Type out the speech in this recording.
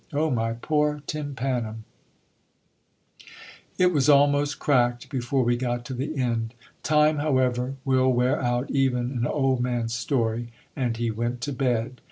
Oh my poor tym panum ! It was almost cracked before we got to the end. Time, however, will wear out even an old man's story, and he went to bed.